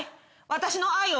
私の愛を。